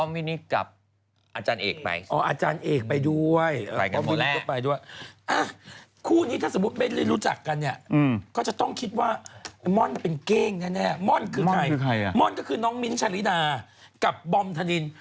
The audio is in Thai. ม่อนก็คือใครอะม่อนก็คือน้องมิ้นท์ชาลินากับบอมธนิน